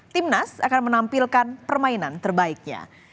timnas akan menampilkan permainan terbaiknya